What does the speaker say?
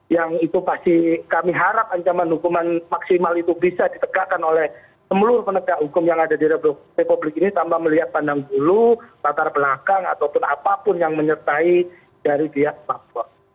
yang itu pasti kami harap ancaman hukuman maksimal itu bisa ditegakkan oleh seluruh penegak hukum yang ada di republik ini tanpa melihat pandang bulu tatar belakang ataupun apapun yang menyertai dari pihak papua